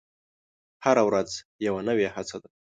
هره ورځ یوه نوې هڅه ده.